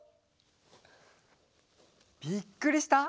びっくりした？